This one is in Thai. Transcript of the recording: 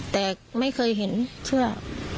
แต่ไม่เคยเห็นเชื่อ